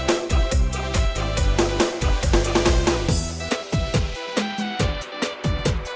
ตอนแรกค่ะเดี๋ยวว่าเริ่มเลยนะคะอันนี้เราก็